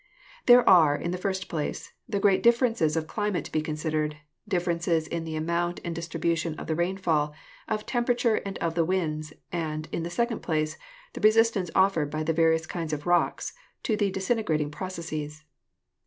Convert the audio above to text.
There are, in the first place, the great differences of climate to be considered, differences in the amount and distribution of the rainfall, of temperature and of the winds, and, in the second place, the resistance offered by the various kinds of rocks to the disintegrating processes.